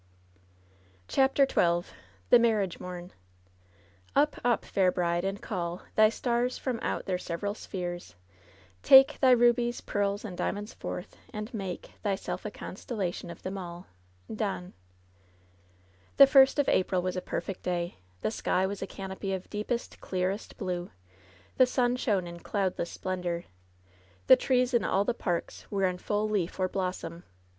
CHAPTER XII THE MABBIAGE MOBN Up, up, fair bride, and call Thy stars from out their several spheres — take Thy rubies, pearls and diamonds forth, and make Thyself a constellation of them all. — ^Donne. The first of April was a perfect day. The sky was a canopy of deepest, clearest blue. The sun shone in 76 LOVE'S BITTEREST CUP cloudless splendor. The trees in all the parks were in full leaf or blossom.